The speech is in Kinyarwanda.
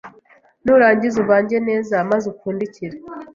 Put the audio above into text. nurangiza uvange neza, maze upfundikire.